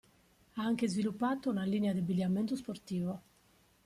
Ha anche sviluppato una linea di abbigliamento sportivo.